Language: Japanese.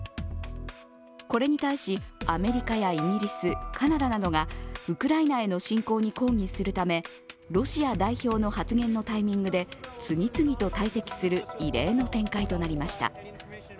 これに対し、アメリカやイギリスカナダなどがウクライナへの侵攻に抗議するため、ロシア代表の発言のタイミングで次々と退席する異例の展開となりました。